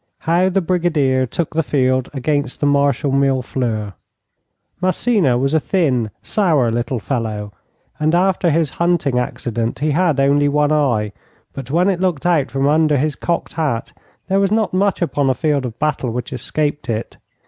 5. HOW THE BRIGADIER TOOK THE FIELD AGAINST THE MARSHAL MILLEFLEURS Massena was a thin, sour little fellow, and after his hunting accident he had only one eye, but when it looked out from under his cocked hat there was not much upon a field of battle which escaped it.